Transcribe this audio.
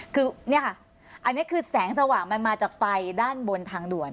คือเนี่ยค่ะอันนี้คือแสงสว่างมันมาจากไฟด้านบนทางด่วน